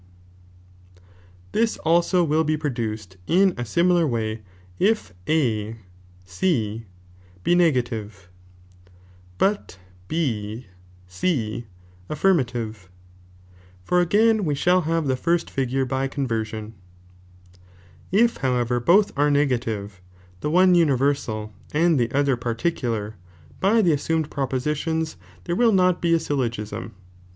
This also will be produced in a simiiar way if A C be negative, but B C affirmative, for again we shall have the first figure by conversion, if however both are negative, the one universal and the other pailiicular, by the assumed propositions there will not be a syllogism, but 8.